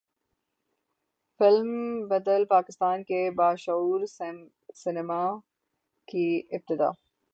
film بدل پاکستان کے باشعور سینما کی ابتدا